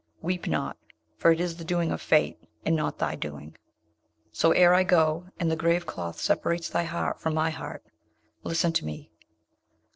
Weep not, for it is the doing of fate, and not thy doing. So ere I go, and the grave cloth separates thy heart from my heart, listen to me.